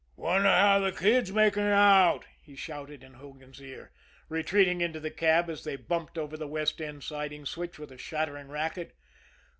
"Wonder how the Kid's making out?" he shouted in Hogan's ear, retreating into the cab as they bumped over the west end siding switch with a shattering racket.